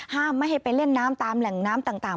ไม่ให้ไปเล่นน้ำตามแหล่งน้ำต่าง